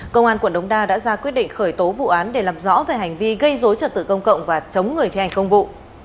công an quận đống đa đã ra quyết định khởi tố vụ án để làm rõ về hành vi gây dối trật tự công cộng và chống người thi hành công vụ